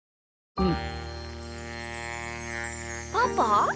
うん。